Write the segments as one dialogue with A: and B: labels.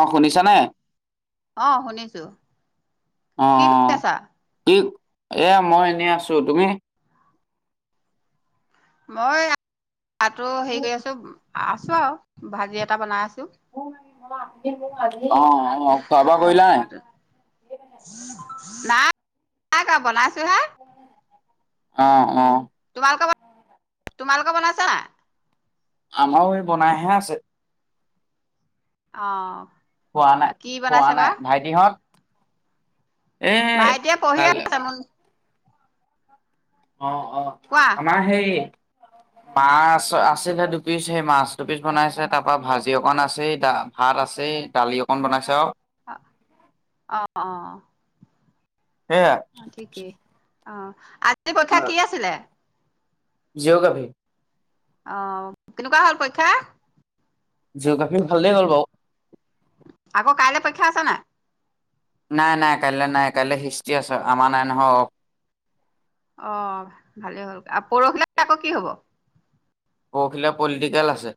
A: অ শুনিছানে
B: অ' শুনিছো। কি কৰি
A: অ'
B: আছা
A: কি এ মই এনেই আছো তুমি?
B: মই তাতো হেৰি কৰি আছো আছো আৰু ভাজি এটা বনাই আছো।
A: [unintelligible] অ' অ' খোৱা বোৱা কৰিলা নাই?
B: [unintelligible] বনাইছোহে।
A: অহ' অহ',।
B: মোক তোমালোকে বনাইছা না
A: আমাৰও এই বনাইহে আছে।
B: অ'।
A: খোৱা নাই,
B: কি
A: খোৱা
B: বনাইছে বা
A: নাই ভাইটিহঁত এ
B: ভাই এতিয়া পঢ়িয়ে
A: কাল
B: আছে ম
A: অ', অ',
B: কোৱা
A: আমাৰ সেই মাছ আছিলহে দুপিচ সেই মাছ দুপিচ বনাইছে তাৰ পৰা ভাজি অকন আছেই ভাত আছে। এই দালি অকন বনাইছা আৰু।
B: অ', অ'।
A: সেইয়া
B: ঠিকেই অ' আজি পৰীক্ষা কি আছিলে?
A: জীঅগ্ৰাফী।
B: আহ, কেনেকুৱা হ'ল পৰীক্ষা?
A: জীঅগ্ৰাফি ভালে হ'ল বাৰু।
B: আকৌ কাইলে পৰীক্ষা আছে নাই।
A: নাই নাই কাইলৈ নাই কাইলৈ হিষ্টি আছে আমাৰ নাই নহয়।
B: অ' ভালে হ'ল আৰু পৰহিলে আকৌ কি হব?
A: কৌখিলা পলিটিকেল আছে।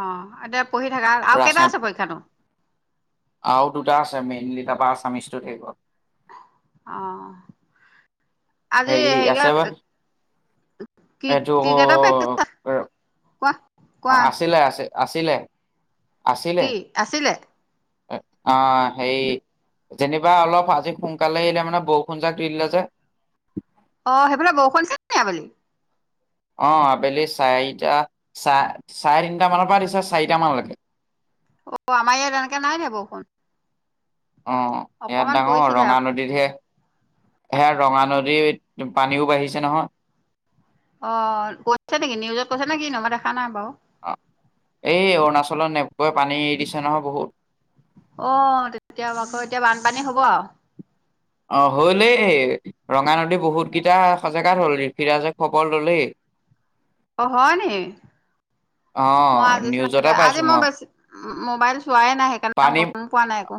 B: অ, এতিয়া পঢ়ি থাককা আৰু কেইটা
A: ৰাজনৈত
B: আছে পৰীক্ষাটো।
A: আৰু দুটা আছে মেইনলি তাৰপৰা আছামি
B: অ, আজি
A: হেৰি
B: হে
A: আছে বা
B: কি,
A: এইটো
B: কি কটা পেট কোৱা
A: অ,
B: কোৱা
A: আছিলে, আছিল, আছিলে। আছিলে
B: কি আছিলে।
A: অ, সেই যেনিবা অলপ আজি সোনকালে আহিলে মানে বৰষুণ জাক দিলে যে
B: অ, সেইফালে বৌষলছিলে ন আবেলি।
A: অ, আবেলি চাৰিটা চ-চাৰে তিনটা মানৰ পৰা দিছে চাৰিট মানলৈকে। উ।
B: অ, আমাৰ ইয়াত এনেকে নাই দিয়া বৰষূণ।
A: অ, ইয়াত ডাঙৰ
B: অ
A: ৰঙা নদীতহে সেয়া ৰঙা নদী পানীও বাঢ়িছে নহয়।
B: অ, কৈছে নেকি নিউজত কৈছো নে কি নহা দেখা নাই বাৰু।
A: অ, এই অৰুণাচলৰ নে।
B: আহ, তেতিয়া আকৌ এতিয়া বানপানী হ'ব আৰু।
A: অ, হলই ৰঙা নদী বহুত কেইটা সজাগাত হল ঋফিৰাজ খবৰ ললেই।
B: অ, হয় ন।
A: অ'।
B: মই আজি,
A: নিউজতে
B: আজি
A: পাইছো
B: মই বেছি মোবাইল চোৱাই নাই সেইকাৰণেই
A: পানী
B: গম পোৱা নাই একো।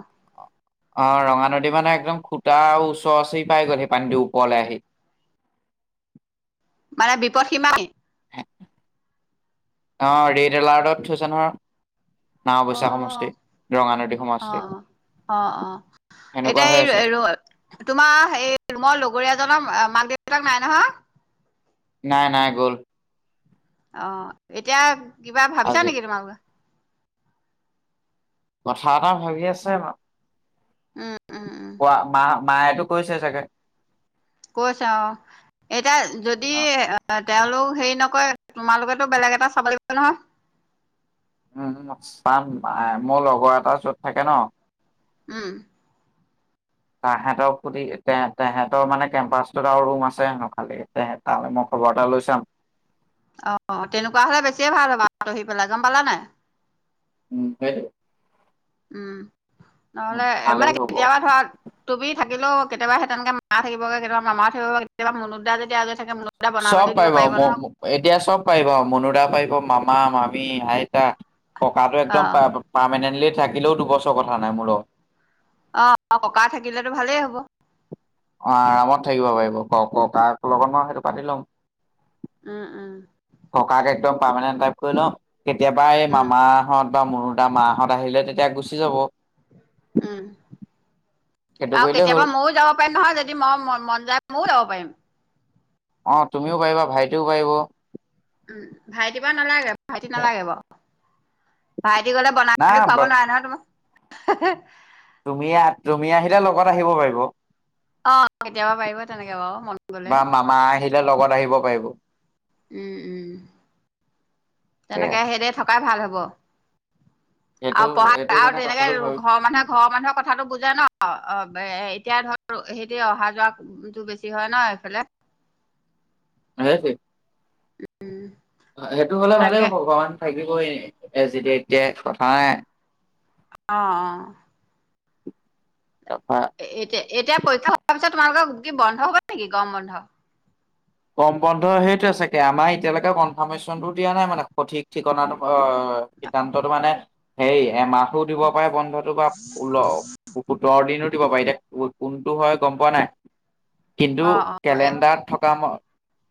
A: অ, ৰঙা নদী মানে একদম খুটা আৰু ওচৰ, ওচৰি পাই গ'ল সেই পানীটো ওপৰলৈ আহি [inaudible]
B: মানে বিপদসীমানেই
A: অ, ৰেড এলাৰ্টত থৈছে নয়। না অৱশ্যে সমষ্টি ৰঙা নদী সমষ্টি
B: অ', অ', অ', অ'।
A: সেনেকুৱা হৈ
B: এতিয়া,
A: আছে
B: এই তোমাৰ এই ৰুমৰ লগৰীয়া জন মাল দেৱতাক নাই নহয়।
A: নাই, নাই গ'ল।
B: অ, এতিয়া কিবা ভাবিছা
A: আজি
B: নেকি তোমাৰ
A: কথা এটা ভাবি আছে ব
B: উম, উম, উম,
A: কোৱা মা-মায়েতো কৈছে চাগে।
B: কৈছ অ, এতিয়া যদি
A: অ
B: আহ তেওঁলোক হে নেকয় তোমালোকেতো বেলেগ এটা চাব লাগিব নহয়।
A: উম, চাম মোৰ লগৰ এটাৰ যত থাকে ন।
B: উম।
A: [inaudible] তাহাঁতৰ ফুতে তহাঁতৰ মানে কেম্পাচটোত আৰু ৰুম আছে ন খালি তৈ মই কোৱাটাৰলৈ চাম।
B: অ' তেনেকুৱা হ'লে বেছিয়ে ভাল হ'বা আতহি পেলাই গ'ম পালা নাই
A: উম, খটো।
B: উম, নহ'লে
A: ভালেই
B: মানে
A: হ'ব
B: কেতিয়াবা ধৰা তুমি থাকে। থিলেও কেয়াবা স তেনেকে মা থাকগে কেতিয়াবা মাাকিব কেতিাবানুদা যেতি আ
A: চব পাইব এতিয়া চব পাৰিব মনুৰা পাৰিব মাম মামি আইতা, ককাটো একদম
B: অ',
A: প-পাৰেন্টলি থাকিলেও দুবছৰ কথা নাই মোৰৰ লগত।
B: অ' ককা থাকিলেতো ভালেই হ'ব।
A: অ' আৰামত থাকিব পাৰিব ক ক কাক লগত মই সেইটো পাতি লওক।
B: উম, উম।
A: পাৰমানেন্ট টাইপ কৰি লও কেতিয়াবা এই
B: উম,
A: মামাহঁত বা মোৰো দা মাহঁত আহিলে তেতিয়া গুচি যাব।
B: উম।
A: সেইটো
B: আৰু
A: কৰিলেই
B: কেতিয়াবা
A: হ'ল
B: ময়ো যাব পাৰিম নহয়। যদি মই মন যায় ময়ো যাব পাৰিম।
A: অ' তুমিও পাৰিবা ভাইটিও পাৰিব।
B: উম, ভাইটি বা নালাগে ভাইটি নালাগে বাৰু। ভাইটি গ'লে বনাই কৰি
A: না
B: খুৱাব নোৱাৰে নহয় তোমাক।
A: তুমি আহ তুমি আহিলে লগত আহিব পাৰিব।
B: অ' কেতিয়াবা পাৰিব বা তেনেকে বাৰু মনত
A: বা
B: গ'লে।
A: মামা আহিলে লগত আহিব পাৰিব।
B: উম, উম,
A: সেয়া
B: তেনেকে সেইদ থকাই ভাল হ'ব।
A: [inaudible]
B: আৰু পঢ়া
A: এইটো
B: আৰু
A: মানে
B: তেনেকে
A: কথাটো ভাবি
B: ঘৰৰ মানুহে ঘৰৰ মানুহৰ কথাটো বুজে ন অ'হেই এতিয়া ধৰ সেইতে অহা যোৱাটো বেছি হয় ন এইফালে।
A: হেইটো হেইটো হ'লে ভালেই হ
B: তাকে
A: ভগৱান থাকিবই যি এতিয়া কথা নাই।
B: অ' অ'।
A: তাৰপা
B: এতিয়া এতিয়া পৰীক্ষা হোৱাৰ পিছত তোমালোকৰ কি বন্ধ হ'বা নেকি গৰম বন্ধ।
A: কম বন্ধ সেইটো চাগে, আমাৰ এতিয়ালৈকে কনফাৰ্মেশ্যনটো দিয়া নাই, মানে সঠিক ঠিকনা অ' সিদ্ধান্ততো মানে হেই এমাহ। [unintelligible] দিব পাৰে বন্ধটো বা ওল সোতৰ দিনত দিব পাৰি এতিয়া কোনটো হয় গ'ম পোৱা নাই। কিন্তু
B: অ অ এ
A: কেলেণ্ডাৰত থকা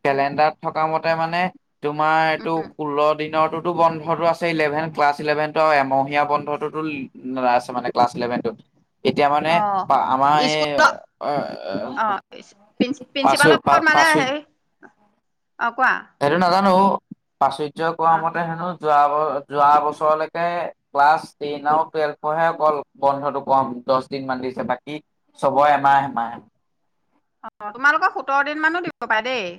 A: কেলেণ্ডাৰত থকা মতে মানে তোমাৰ এইটো
B: উম
A: ষোল্ল দিনৰতোতো বন্ধটো আছিল। ইলেভেন ক্লাছ ইলেভেনত এমহীয়া বন্ধতো আছে মানে ক্লাছ ইলেভেনত এতিয়া মানে
B: অ',
A: আমাৰ এই
B: স্কুলৰ অ',
A: পাচ
B: প্ৰিন্সিপালৰ ওপৰত
A: প
B: মানে হেৰি। অ', কোৱা
A: হেইটো নাজানো। প্ৰাচুৰ্য্য কোৱা
B: অ',
A: মতে হেনো যোৱা ব যোৱা বছৰলৈকে ক্লাছ ট্ৰেন আৰু টুৱেলভফহে অকল বন্ধতটো কম দহ দিন মান দিছে বাকী চবৰে এমাহ এমাহে।
B: অ' তোমালোকৰ সোতৰ দিন মানো দিব পাৰে দেই।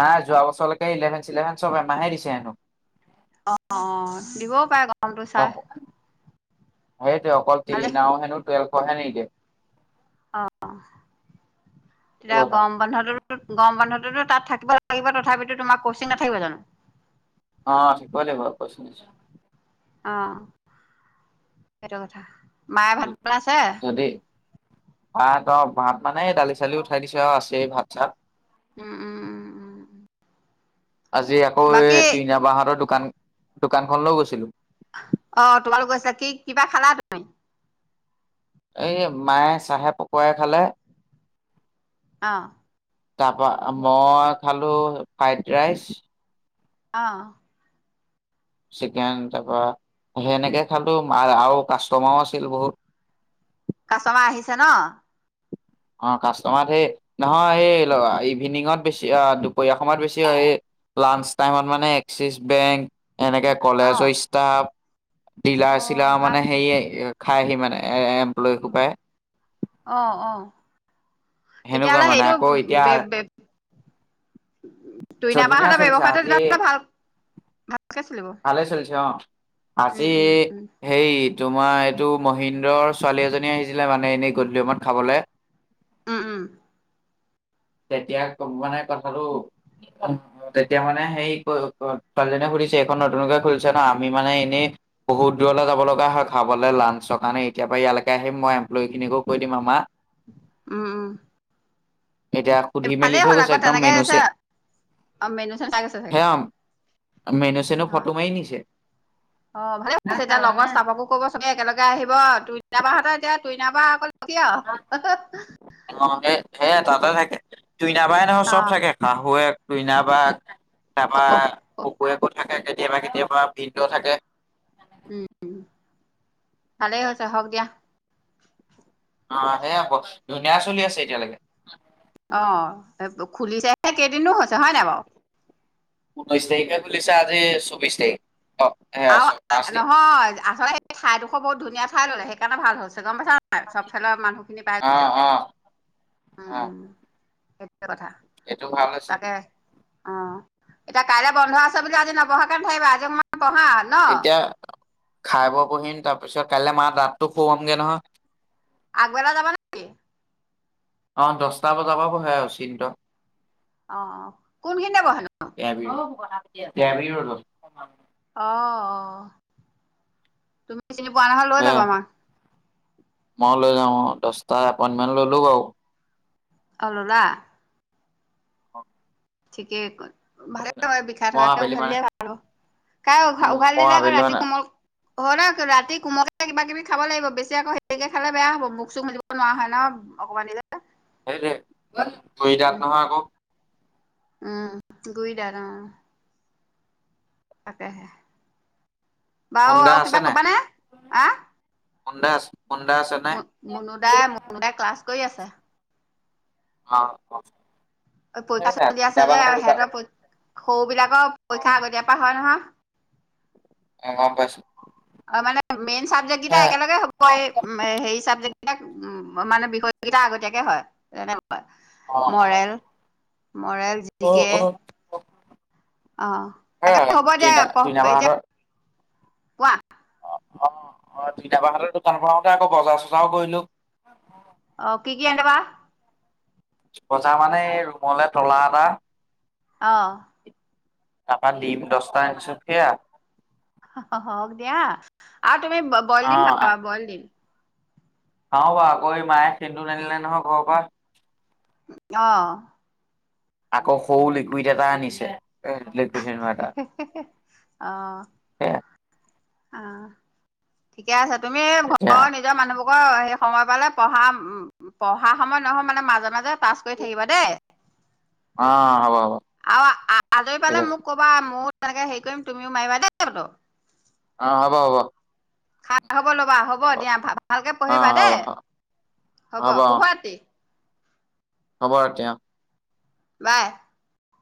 A: নাই যোৱা বছৰলৈকে ইলেভেন চিলেভেন চবে মাহে দিছে হেনো।
B: অ' অ' দিবও পাৰে গৰমটো চাই।
A: সেইটো অকল
B: ভালে
A: ট্ৰেইন হেনো টুৱেলভৰ হে নিদিয়ে
B: অ' তেতিয়া
A: কথা
B: গ'ম বন্ধতো। গৰম বান্ধততো তাত থাকিব লাগিব তথাপিতো তোমাৰ কচিং নাথাকিব জানো?
A: অ' থিকৈলে'ব কৈছ ন
B: অ' সেইটো কথা মায়ে ভাত পেল আছে।
A: আহ ত' ভাত মানে দালি চালি উঠাই দিছ আৰু আছেই ভাত চাত।
B: উম উম উম উম উম।
A: আজি আকৌ এই
B: বাকী
A: তিইনাবাহঁতৰ দোকান দোকানখন লৈ গৈছিলো।
B: অ' তোমালোক গৈছা কি কিবা খালা তুমি।
A: এই মায়ে চাহে পকোৱাই খালে।
B: অহ।
A: তাৰপা মই খালোঁ ফ্ৰাইড ৰাইচ।
B: আহ।
A: চিকেন, তাৰপৰা। সেনেকে খালো আৰু কাষ্টমাৰও আছিল বহুত।
B: কাছমা আহিছে ন'।
A: অ' কাষ্টমাৰ সেই নহয় এই ইভিনিঙত বেছি এ দুপৰীয়া সময়ত বেছি হয় এ লাঞ্চ টাইমত মানে এক্সিছ বেংক এনেকে
B: অ',
A: কলেজৰ ষ্টাফ ডিলাৰ
B: অ',
A: চিলাৰ
B: ভাল
A: মানে
B: হৈছে
A: হেয় খাই আহি মানে এ এমপ্লয় সোপাই
B: অ', অ'।
A: সেনেকুৱা
B: তেতিয়াহ'লে
A: মানে
B: সেইটো
A: আকৌ এতিয়া চ
B: তুইনা
A: ধুনীয়া
B: বাহঁতৰ ব্যৱসায়টো
A: আজি
B: তেতিয়াহ'লে ভাল ভালকে চলিব।
A: ভালে চলিছে অ'
B: উম,
A: আজি
B: উম, উম,
A: হেই তোমাৰ এইটো মহিন্দ্ৰৰ ছোৱালী এজনী আহিছিলে মানে এনেই গধূলি সমইত খাবলৈ।
B: উম উম।
A: তেতিয়া মানে কথাটো তেতিয়া মানে সেই ক ক ছোৱালীজনী সুধ সুধিছে এইখন নতুনকে খুলিছে ন' আমি মানে এনেই বহুত দূৰলৈ যাব লগা হয় খাবলৈ লাঞ্চৰ কাৰণে এ এতিয়াৰ পৰা ইয়ালেকে আহিম মই এম্পলৈ খিনিকো কৈ দিম আমা।
B: উম উম।
A: এতিয়া সুধি মেলি
B: ভালেই
A: থৈ
B: হ'ল
A: গৈছে
B: আকৌ
A: একদম মেনু
B: তেনেকেছে
A: চে
B: অ' মেনু চ চাইগৈছে চাগে।
A: সেয়া মেনু চেনো
B: হয়,
A: ফটো মাৰি নিছে।
B: অ' ভালে হৈছে এতিয়া লগৰ চাবকো ক'ব চবে একেলগে আহিব টুইটা বা হতে এতিয়া তুইননাবা অকল কি আৰু
A: অ' হে হে তাতে থাকে তুইনাবাই নহয় চব
B: অ',
A: থাকে শাহুৱেক তুইনাবা। তাপা কুকুয়েক থাকে কেতিয়াবা কেতিয়াবা ভিন্দ থাকে।
B: উম উম, ভালেই হৈছে হক দিয়া।
A: অ' সে আকৌ ধুনীয়া চলি আছে এতিয়ালৈকে।
B: অ' খুলিছেহে কেইদিনো হৈছে হয় নাই বাৰু।
A: ঊনৈশ তাৰিখে খুলিছো আজি চৌবিশ তাৰিখ অ'। সেয়া
B: আৰু
A: চব পাঁচ দিন
B: নহয় আচলতে সেই ঠাইডোখৰ বহুত ধুনীয়া ঠাই ললে সেইকাৰণে ভাল হৈছে গম পইচা নাই চব ফালৰ মানুহখিনি পাই
A: অ
B: গৈছে,
A: অ অ
B: উম। সেইটোৱে কথা
A: এইটো ভাল হৈছে
B: তাকে অ' এতিয়া কাইলে বন্ধ আছে বুলি আজি নপহাকে নাথাকিবা আজি অকমান পহা ন'।
A: এতিয়া খাই ব পহিম তাৰ পিছত কাইলৈ মা দতটো সহুৱামগে নহয়।
B: আগবেলা যাবা নে কি।
A: অ' দহটা বজাৰ পৰা বহে আৰু অচিন্ত।
B: অ' কোনখিনিতে বিহেনো?
A: দেবৃঢ়লত
B: অ', অ', তুমি চিনি পোৱা নহয় লৈ
A: অ
B: যাবা মাক।
A: মই লৈ যাওঁ অ' দহটা এপইন্টমেণ্ট ললো বাৰু।
B: অহ ল'লা।
A: অ'
B: ঠিকে কয়, ভাল বিখাৰ
A: মই
B: থকাকে
A: আবেলি মানে
B: উঘলিলে ভাল হয়। কাই উঘ
A: উম
B: উঘালি
A: মই
B: দিলে আকৌ
A: আবেলি
B: ৰাতি
A: মানে
B: কোমল ঘৰতে আছে, ৰাতি কোমলকে কিবা কিবি খাব লাগিব, বেছি আকৌ সেৰিকে খালে বেয়া হ'ব মুখ চুখ মেলিব নোৱাৰা হয় ন। অকমানিলা
A: গুড়ি দাতঁ নহয় আকৌ।
B: উম গুৰিদত অ'। তাকেহে, বাৰু
A: হোন্দা
B: আৰু কিবা কবানে? হা।
A: সন্দা আছে। হোন্দা আছে নাই
B: মু-মুনুদাই মুনুদাই ক্লাছ কৰি আছে।
A: অ', অ'।
B: পৰীক্ষা চলি আছে যে, সেহেতৰ সৰু বেলাকৰ
A: অ
B: পৰীক্ষা আগতীয়াপা হয় নহয়।
A: অ গম পাইছোঁ।
B: তাৰ মানে মেইন চাবজেক্টকেইটা একেলগে হ'ব, এই হেৰি চাবজেক্ট কেইটাক মানে বিষয় কেইটা আগতীয়াকে হয়। যেনে
A: অ
B: মৰেল, মৰেল,
A: অ অ
B: জিকে।
A: অ
B: অ'
A: হে
B: তেতো হ'ব দে
A: টিনা
B: প
A: টিনা
B: এতিয়া
A: বাহঁতৰ
B: কোৱা।
A: অ' অ' তিতাবাহতৰ দোকান পৰা আহওতে আকৌ বজাৰ চজাৰ কৰিলো।
B: অ' কি কি আনিবা?
A: বজা মানে এই ৰুমলে তলা এটা।
B: অ
A: তাৰপা দিম দচটা আনিছো খেয়া।
B: হওঁক দিয়া আৰু তুমি ব বয়ল
A: অ
B: দিম খাবা বয়ল দিম।
A: খাওঁ বা আকৌ মায়ে সেন্দুৰ নানিলে নহয় ঘৰ পৰা।
B: আহ।
A: আকৌ সৰু লিকুইড এটা আনিছে। এ লেইট কৈচে ন এটা
B: অ
A: এ
B: অ' ঠিকে আছে।
A: এতিয়া।
B: কোৱা সেই সময় পালে পঢ়া পঢ়া সময় নহয় মানে মাজে মাজে। পাছ কৰি থাকিবা দেই।
A: অ হ'ব হ'ব
B: আৰু আজৰি পালে
A: ঠিক আছে
B: মোক ক'বা মোৰ। তেনেকে হেৰি কৰিম তুমিও মাৰিবা দে বোলো।
A: অ' হ'ব, হ'ব।
B: খাই হওঁক। [unintelligible] ল'বা হ'ব দিয়া, ভালকে
A: অ
B: পঢ়িবা দেই
A: হ'ব
B: হ'ব, শুভৰাত্ৰি।
A: শুভৰাত্ৰি।
B: বাই।